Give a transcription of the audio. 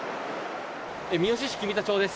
三次市君田町です。